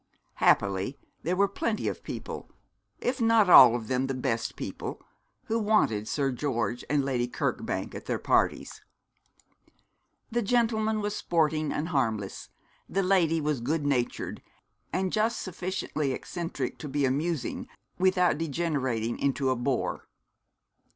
Happily there were plenty of people if not all of them the best people who wanted Sir George and Lady Kirkbank at their parties. The gentleman was sporting and harmless, the lady was good natured, and just sufficiently eccentric to be amusing without degenerating into a bore.